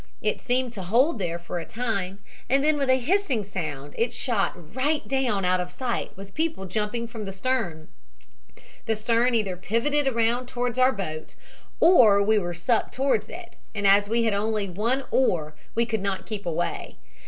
It seemed to hold there for a time and then with a hissing sound it shot right down out of sight with people jumping from the stern. The stern either pivoted around towards our boat, or we were sucked towards it, and as we only had one oar we could not keep away.